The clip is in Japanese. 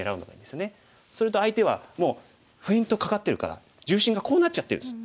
すると相手はもうフェイントかかってるから重心がこうなっちゃってるんです。